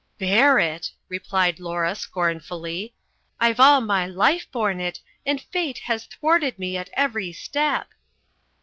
"Bear it;" replied Laura scornfully, "I've all my life borne it, and fate has thwarted me at every step."